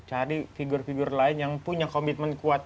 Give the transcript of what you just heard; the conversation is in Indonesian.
cari figure figure lain yang punya komitmen kuat